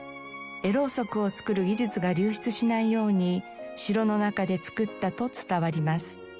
絵ろうそくを作る技術が流出しないように城の中で作ったと伝わります。